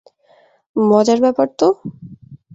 মজার ব্যাপার তো।